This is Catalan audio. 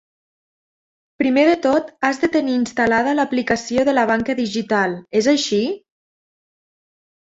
Primer de tot has de tenir instal·lada l'aplicació de la banca digital, és així?